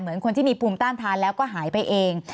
เหมือนคนที่มีภูมิต้านทานแล้วก็หายไปเอง